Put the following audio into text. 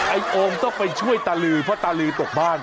โอมต้องไปช่วยตาลือเพราะตาลือตกบ้าน